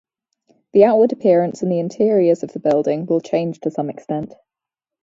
The outward appearance and the interiors of the building will change to some extent.